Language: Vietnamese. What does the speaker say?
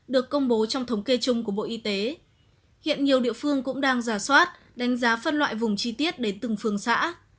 được công bố trong thống kê chung của bộ y tế hiện nhiều địa phương cũng đang giả soát đánh giá phân loại vùng chi tiết đến từng phương xã